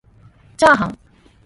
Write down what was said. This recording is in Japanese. ちゃーはん